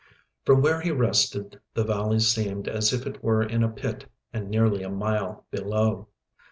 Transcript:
From where he rested the valley seemed as if it were in a pit and nearly a mile below.